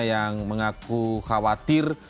yang mengaku khawatir